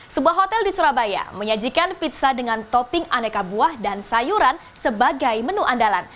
sebuah hotel di surabaya menyajikan pizza dengan topping aneka buah dan sayuran sebagai menu andalan